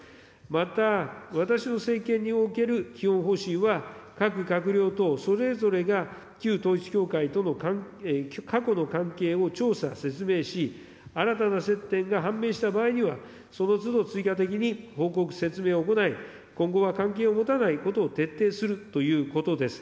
また、私の政権における基本方針は、各閣僚等、それぞれが旧統一教会との、過去の関係を調査、説明し、新たな接点が判明した場合には、そのつど、追加的に報告、説明を行い、今後は関係を持たないことを徹底するということです。